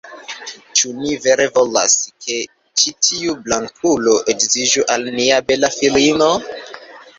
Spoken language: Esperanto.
Ĉu ni vere volas, ke ĉi tiu blankulo edziĝu al nia bela filino?